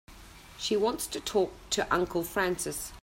She wants to talk to Uncle Francis.